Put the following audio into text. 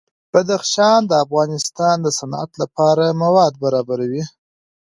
بدخشان د افغانستان د صنعت لپاره مواد برابروي.